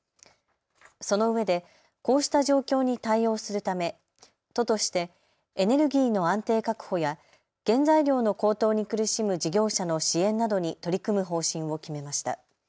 そのうえでこうした状況に対応するため都としてエネルギーの安定確保や原材料の高騰に苦しむ事業者の支援などに取り組む方針を決めました。